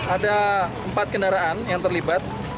ada empat kendaraan yang terlibat